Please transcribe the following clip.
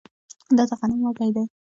دا د غنم وږی دی